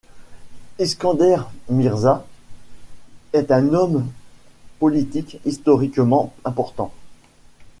Iskander Mirza est un homme politique historiquement important.